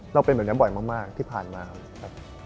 เราเป็นแบบนี้บ่อยมากที่ผ่านมาครับ